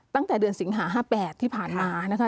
ตั้งแต่เดือนสิงหา๕๘ที่ผ่านมานะคะ